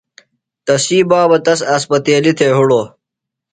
تسی بابہ تس اسپتیلیۡ تھےۡ ہِڑوۡ۔